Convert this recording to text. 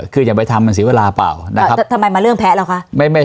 คือจะไปทำมันสิเวลาเปล่านะครับเอ่อทำไมมาเรื่องแพ้แล้วคะไม่ไม่